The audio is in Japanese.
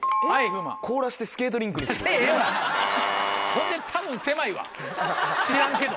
ほんでたぶん狭いわ知らんけど。